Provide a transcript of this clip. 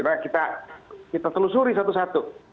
nah kita telusuri satu satu